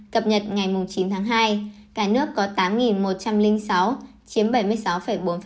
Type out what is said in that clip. cập nhật ngày chín tháng hai cả nước có tám một trăm linh sáu chiếm bảy mươi sáu bốn